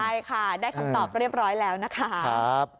ใช่ค่ะได้คำตอบเรียบร้อยแล้วนะคะ